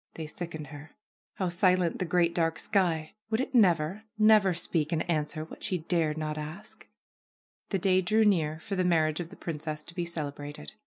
They sickened her. How silent the great, dark sky ! Would it never, never speak and an swer what she dared not ask? The day drew near for the marriage of the princess to be celebrated.